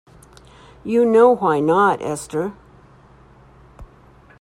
You know why not, Esther.